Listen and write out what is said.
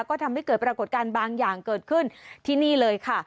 ก็ทำให้เกิดปรากฏการณ์บางอย่างเกิดขึ้นที่นี่เลยค่ะ